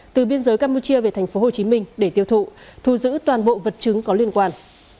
từ biên giới campuchia về tp hcm để tiêu thụ thu giữ toàn bộ vật chứng có liên quan